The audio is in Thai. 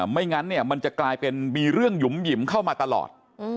ไม่งั้นเนี่ยมันจะกลายเป็นมีเรื่องหยุ่มหยิมเข้ามาตลอด